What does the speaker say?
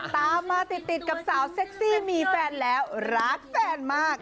ตามมาติดกับสาวเซ็กซี่มีแฟนแล้วรักแฟนมาก